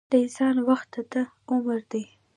د انسان وخت دده عمر دی.